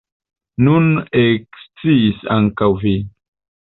Nun eksciis ankaŭ vi.